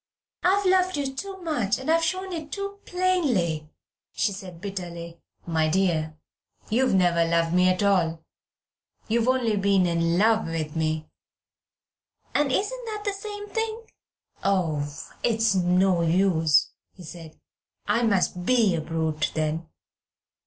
"I've loved you too much, and I've shown it too plainly," she said bitterly. "My dear, you've never loved me at all. You have only been in love with me." "And isn't that the same thing?" "Oh! it's no use," he said, "I must be a brute then.